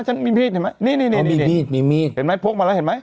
ฉันมีมีดเห็นไหมนี่นี่มีมีดมีมีดเห็นไหมพกมาแล้วเห็นไหม